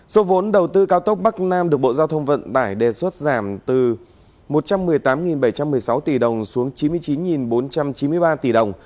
số vốn đầu tư cao tốc bắc nam được bộ giao thông vận tải đề xuất giảm từ một trăm một mươi tám bảy trăm một mươi sáu tỷ đồng xuống chín mươi chín bốn trăm chín mươi ba tỷ đồng